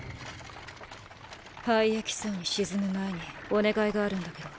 廃液槽に沈む前にお願いがあるんだけど。